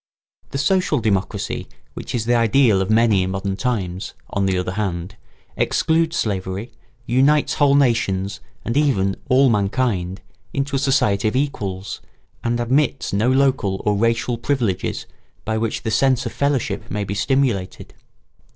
] The social democracy which is the ideal of many in modern times, on the other hand, excludes slavery, unites whole nations and even all mankind into a society of equals, and admits no local or racial privileges by which the sense of fellowship may be stimulated.